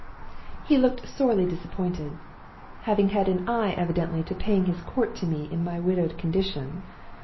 "He looked sorely disappointed (having had an eye evidently to paying his court to me in my widowed condition!)